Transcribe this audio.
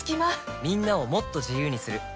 みんなをもっと自由にする「三菱冷蔵庫」